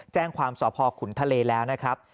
แจ้งความสพขุนทะเลแล้วนะครับ